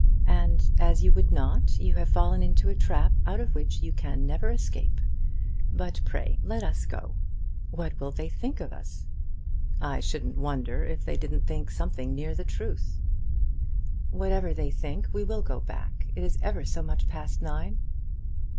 "And as you would not, you have fallen into a trap out of which you can never escape. But pray let us go. What will they think of us?" "I shouldn't wonder if they didn't think something near the truth." "Whatever they think, we will go back. It is ever so much past nine."